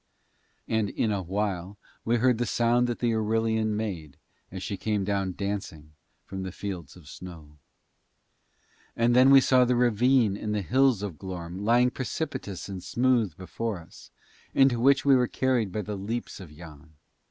And in a while we heard the sound that the Irillion made as she came down dancing from the fields of snow. And then we saw the ravine in the Hills of Glorm lying precipitous and smooth before us, into which we were carried by the leaps of Yann.